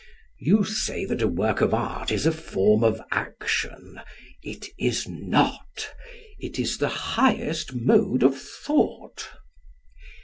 You say that a work of art is a form of action: It is not. It is the highest mode of thought.